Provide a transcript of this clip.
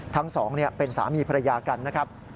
ทั้งสองเป็นสามีภรรยากันนะครับ